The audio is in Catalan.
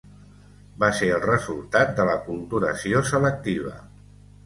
Va ser el resultat de l'aculturació selectiva.